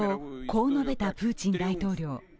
こう述べたプーチン大統領。